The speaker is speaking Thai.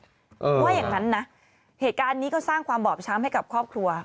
ว่าอย่างนั้นนะเหตุการณ์นี้ก็สร้างความบอบช้ำให้กับครอบครัว